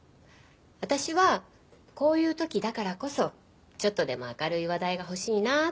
私はこういう時だからこそちょっとでも明るい話題が欲しいなあって思うけど。